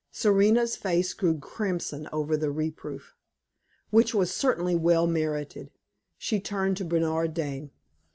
Serena's face grew crimson over the reproof, which was certainly well merited. She turned to Bernard Dane.